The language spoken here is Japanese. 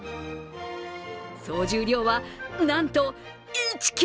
総重量は、なんと１ｋｇ！